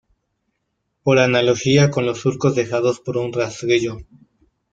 Por analogía con los surcos dejados por un rastrillo.